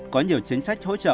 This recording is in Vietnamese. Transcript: có nhiều chính sách hỗ trợ